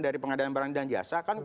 dari pengadaan barang dan jasa kan